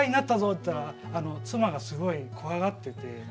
って言ったら妻がすごい怖がってて。